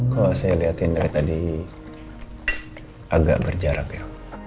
kok saya liatin dari tadi agak berjarak ya